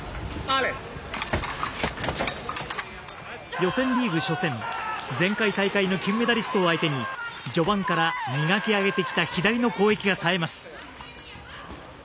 予選リーグ初戦前回大会の金メダリストを相手に序盤から磨き上げてきた左の攻撃がさえます。